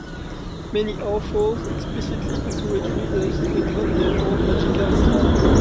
Many authors explicitly encourage readers to invent their own magical style.